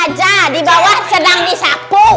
di meja aja di bawah sedang disapu